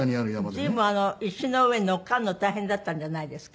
随分石の上に乗っかるの大変だったんじゃないですか？